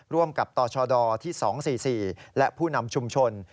ร่วมกับตชดที่๒๔๔และผู้นำชุมชน